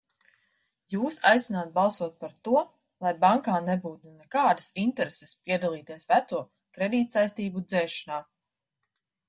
Jūs aicināt balsot par to, lai bankām nebūtu nekādas intereses piedalīties veco kredītsaistību dzēšanā.